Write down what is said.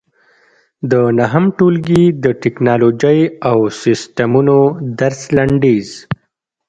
د نهم ټولګي د ټېکنالوجۍ او سیسټمونو درس لنډیز